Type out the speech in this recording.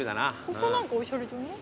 ここ何かおしゃれじゃない？